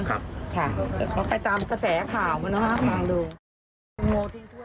ก็ไปตามกระแสข่าวมาเนอะฟังดู